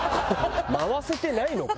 回せてないのか？